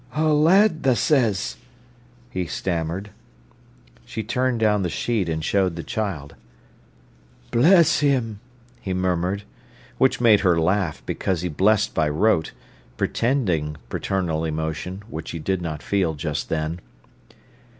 "A lad, tha says," he stammered. She turned down the sheet and showed the child. "Bless him!" he murmured. Which made her laugh, because he blessed by rote—pretending paternal emotion, which he did not feel just then.